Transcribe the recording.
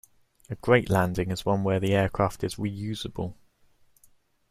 A great landing is one where the aircraft is reusable.